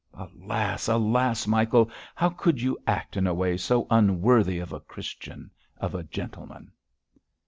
Alas! alas! Michael, how could you act in a way so unworthy of a Christian, of a gentleman?'